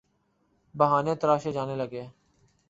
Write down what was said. بہانے تراشے جانے لگے۔